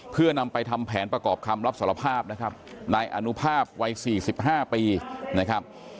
เพื่อนำไปทำแผนประกอบคำรับสารภาพนะครับนายอนุภาพวัย๔๕ปีนะครับ